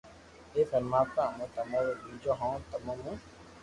اي پرماتما امون تمو رو ٻچو ھون تمو مون